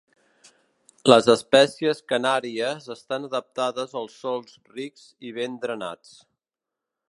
Les espècies Canàries estan adaptades als sòls rics i ben drenats.